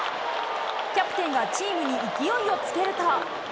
キャプテンがチームに勢いをつけると。